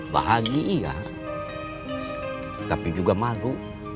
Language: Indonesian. bahagia tapi juga malu